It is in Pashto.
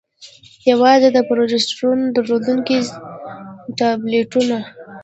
يوازې د پروجسترون درلودونكي ټابليټونه: